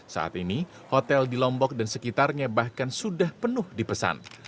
saat ini hotel di lombok dan sekitarnya bahkan sudah penuh dipesan